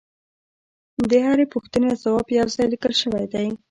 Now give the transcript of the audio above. د هرې پوښتنې ځواب یو ځای لیکل شوی دی